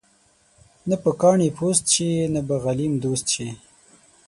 نه به کاڼې پوست شي ، نه به غلیم دوست شي.